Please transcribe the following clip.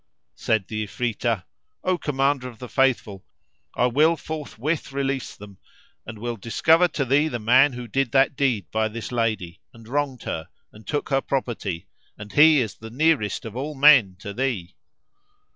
Said the Ifritah, "O Commander of the Faithful, I will forthwith release them and will discover to thee the man who did that deed by this lady and wronged her and took her property, and he is the nearest of all men to thee!"